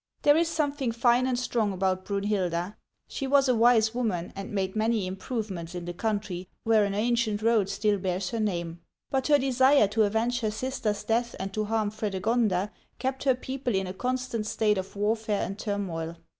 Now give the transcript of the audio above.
There is something fine and strong about Brunhilda. She was a wise woman, and made many improvements in the country, where an ancient road still bears her name ; but her desire to avenge her sister^s death and to harm Frede gonda kept her people in a constant state of warfare and turmoil.